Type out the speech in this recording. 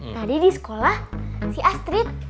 tadi di sekolah ngasih astrid